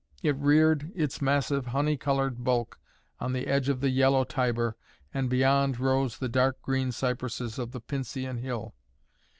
It reared its massive honey colored bulk on the edge of the yellow Tiber and beyond rose the dark green cypresses of the Pincian Hill.